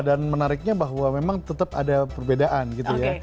dan menariknya bahwa memang tetap ada perbedaan gitu ya